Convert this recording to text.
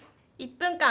「１分間！